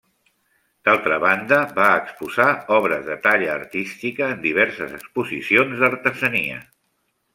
D'altra banda, va exposar obres de talla artística en diverses exposicions d'artesania.